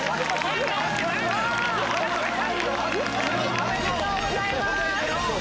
・おめでとうございます！